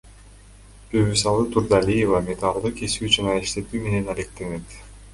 Бүбүсалы Турдалиева металлды кесүү жана иштетүү менен алектенет.